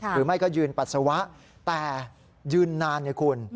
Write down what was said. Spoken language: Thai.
หรือไม่ก็ยืนปัสสาวะแต่ยืนนานไงคุณ